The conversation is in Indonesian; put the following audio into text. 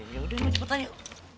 ya udah cepetan yuk